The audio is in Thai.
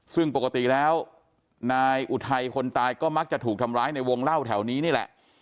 ซึ่งปกติแล้วนายอุทัยคนตายก็มักจะถูกทำร้ายในวงเล่าแถวนี้นี่แหละ